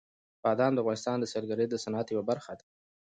بادام د افغانستان د سیلګرۍ د صنعت یوه برخه ده.